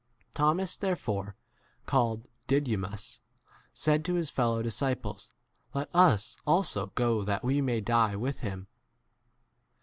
Thomas there fore, called Didymus, d said to his fellow disciples, Let us also go that we may die with him.